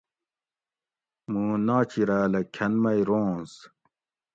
مُوں ناچِیراۤلہ کھۤن مئ رونز